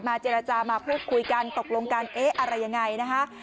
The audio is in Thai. เจรจามาพูดคุยกันตกลงกันเอ๊ะอะไรยังไงนะคะ